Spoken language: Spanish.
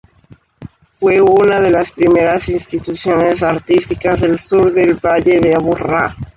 Fue una de las primeras instituciones artísticas del sur del Valle de Aburrá.